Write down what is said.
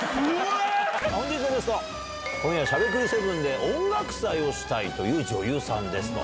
本日のゲストは今夜、しゃべくり００７で音楽祭をしたいという女優さんですと。